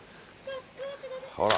ほら。